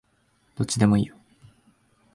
どっちでもいいよ